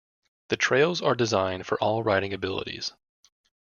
The trails are designed for all riding abilities.